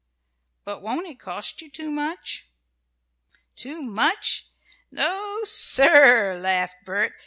"But won't it cost you too much?" "Too much? No, sir!" laughed Bert.